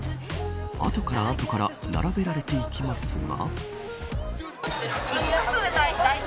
後から後から並べられていきますが。